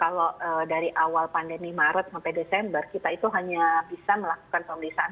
kalau dari awal pandemi maret sampai desember kita itu hanya bisa melakukan pemeriksaan